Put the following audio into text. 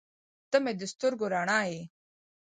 • ته مې د سترګو رڼا یې.